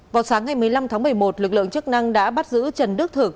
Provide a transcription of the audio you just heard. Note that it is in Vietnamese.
vào sáng ngày một mươi năm tháng một mươi một lực lượng chức năng đã bắt giữ trần đức thực